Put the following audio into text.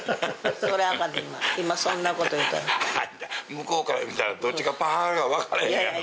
向こうから見たらどっちがパワハラか分からへんやん。